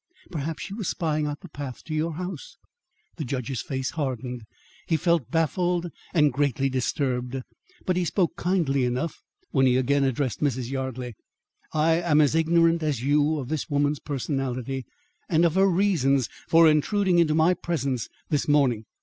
Perhaps she was spying out the path to your house." The judge's face hardened. He felt baffled and greatly disturbed; but he spoke kindly enough when he again addressed Mrs. Yardley: "I am as ignorant as you of this woman's personality and of her reasons for intruding into my presence this morning.